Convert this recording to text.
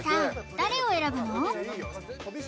誰を選ぶの？